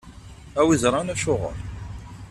A wi iẓṛan acuɣeṛ.